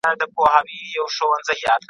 که کاریزونه پاک کړو نو اوبه نه بندیږي.